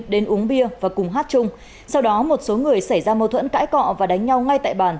đến uống bia và cùng hát chung sau đó một số người xảy ra mâu thuẫn cãi cọ và đánh nhau ngay tại bàn